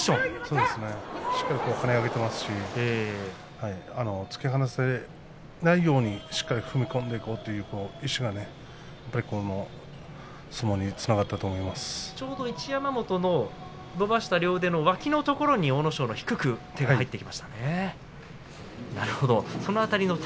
しっかりとはね上げていますし突き放されないようにしっかりと踏み込んでいこうという意識が一山本の伸ばした両腕の脇のところに阿武咲が低く入っていきましたね。